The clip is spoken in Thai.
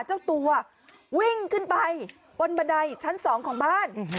เจ้าตัววิ่งขึ้นไปบนบันไดชั้น๒ของบ้าน